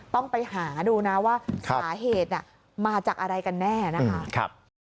ต้องไปหาดูนะว่าสาเหตุมาจากอะไรกันแน่นะคะ